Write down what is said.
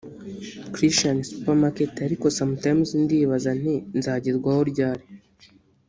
Christian supermarket ariko sometimes ndibaza nti 'Nzagerwaho ryari